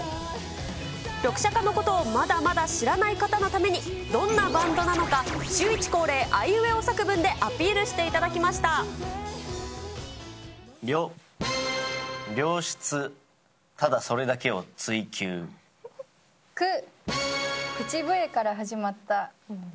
リョクシャカのことをまだまだ知らない方のために、どんなバンドなのか、シューイチ恒例、あいうえお作文でアピールしていただきリョ、良質、ク、口笛から始まった。